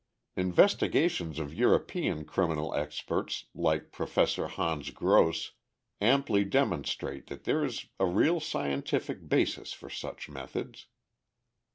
Investigations of European criminal experts like Professor Hans Gross amply demonstrate that there is a real scientific basis for such methods.